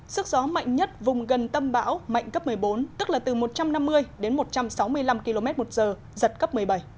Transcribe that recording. sức gió mạnh nhất vùng gần tâm bão mạnh cấp một mươi bốn tức là từ một trăm năm mươi đến một trăm sáu mươi năm km một giờ giật cấp một mươi bảy